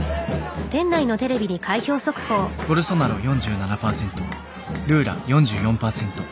ボルソナロ４７％ルーラ４４％。